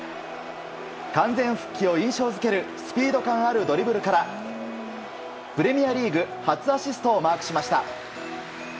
完全復帰を印象付けるスピード感あるドリブルからプレミアリーグ初アシストをマークしました。